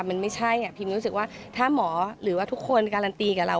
มันไม่ใช่พิมรู้สึกว่าถ้าหมอหรือว่าทุกคนการันตีกับเรา